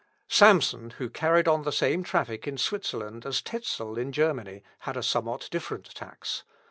Samson, who carried on the same traffic in Switzerland as Tezel in Germany, had a somewhat different tax.